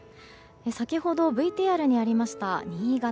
先ほどＶＴＲにありました新潟